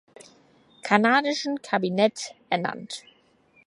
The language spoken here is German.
Kanadischen Kabinett ernannt.